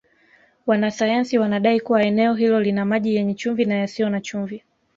Wanasayansi wanadai kuwa eneo hilo lina maji yenye chumvi na yasiyo na chumvi